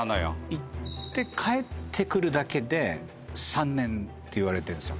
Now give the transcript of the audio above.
行って帰ってくるだけで３年っていわれてるんですよ